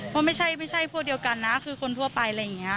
ว่าไม่ใช่ไม่ใช่พวกเดียวกันนะคือคนทั่วไปอะไรอย่างเงี้ย